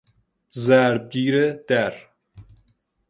ضرب گیر در